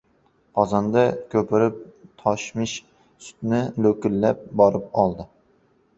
Qozonda ko‘pirib toshmish sutni lo‘killab borib oldi.